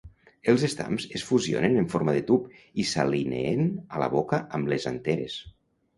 Els estams es fusionen en forma de tub i s'alineen a la boca amb les anteres.